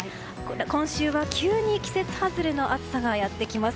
今週は急に季節外れの暑さがやってきます。